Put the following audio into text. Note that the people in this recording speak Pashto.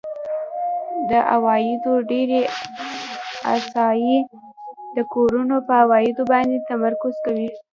د عوایدو ډېری احصایې د کورونو په عوایدو باندې تمرکز کوي